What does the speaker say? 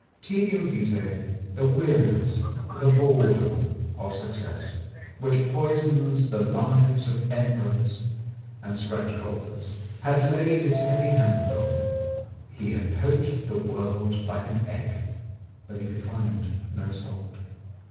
Tcedium vitce, the weariness, the boredom of suc cess, which poisons the lives of emperors and scratch golfers, had laid its heavy hand on him. He had poached the world like an egg. But he could find no salt.